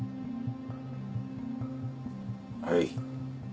はい。